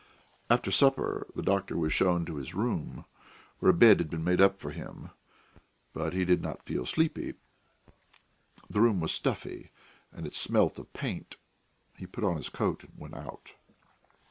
After supper the doctor was shown to his room, where a bed had been made up for him, but he did not feel sleepy. The room was stuffy and it smelt of paint; he put on his coat and went out.